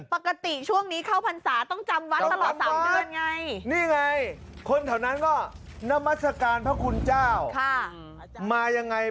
ปกติช่วงนี้เข้าพันษาต้องจำวันตลอด๓เดือนไง